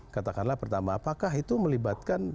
katakanlah pertama apakah itu melibatkan